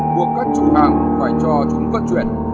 buộc các chủ hàng phải cho chúng phát triển